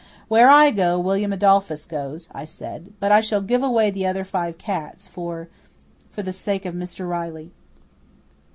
"Where I go, William Adolphus goes," I said, "but I shall give away the other five cats for for the sake of Mr. Riley."